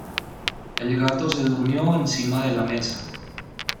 El gato se durmió encima de la mesa.